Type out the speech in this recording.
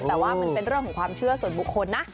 แต่ว่ามันเป็นเรื่องของความเชื่อส่วนบุคคลนะ